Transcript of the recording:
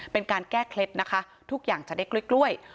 เป็นการแก้เคล็ดนะคะทุกอย่างจะได้กล้วย